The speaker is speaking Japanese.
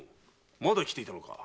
まだ来てたのか？